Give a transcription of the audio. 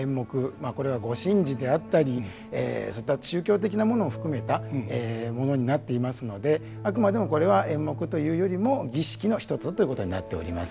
まあこれはご神事であったりそういった宗教的なものを含めたものになっていますのであくまでもこれは演目というよりも儀式の一つだということになっております。